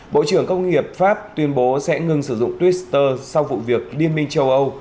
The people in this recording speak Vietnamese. bộ trưởng công nghiệp pháp tuyên bố sẽ ngừng sử dụng twitter sau vụ việc liên minh châu âu